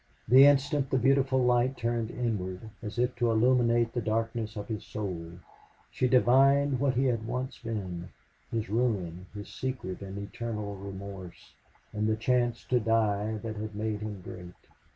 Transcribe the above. The instant the beautiful light turned inward, as if to illumine the darkness of his soul, she divined what he had once been, his ruin, his secret and eternal remorse and the chance to die that had made him great.